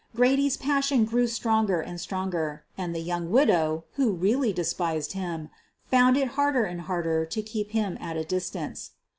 Grady's passion grew stronger and stronger, and the young widow, who really despised him, found it harder and harder to keep him at a distance.